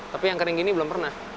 tapi yang kering gini belum pernah